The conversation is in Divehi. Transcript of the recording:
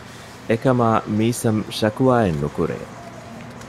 އެކަމާ މީސަމް ޝަކުވާއެއް ނުކުރޭ